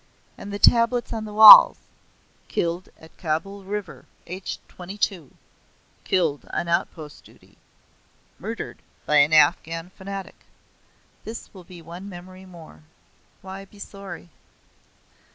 And the tablets on the walls; "Killed at Kabul River, aged 22." "Killed on outpost duty." "Murdered by an Afghan fanatic." This will be one memory more. Why be sorry."